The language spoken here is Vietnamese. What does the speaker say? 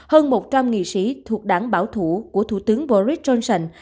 hơn một trăm linh nghị sĩ thuộc đảng bảo thủ của thủ tướng boris johnson